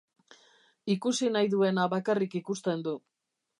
Ikusi nahi duena bakarrik ikusten du.